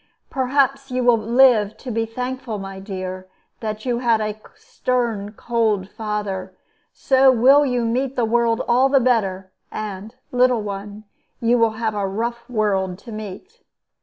"Perhaps you will live to be thankful, my dear, that you had a stern, cold father. So will you meet the world all the better; and, little one, you have a rough world to meet."